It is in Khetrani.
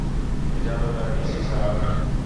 اجازت آں ڈی سی صاحب